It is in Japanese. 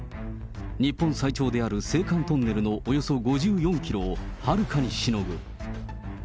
日本最長である青函トンネルのおよそ５４キロをはるかにしのぐ。